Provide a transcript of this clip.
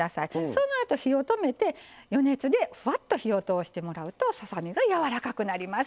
そのあと火を止めて余熱でふわっと火を通してもらうとささ身がやわらかくなります。